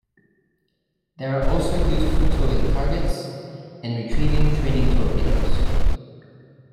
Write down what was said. They are also used for towing targets and retrieving training torpedoes.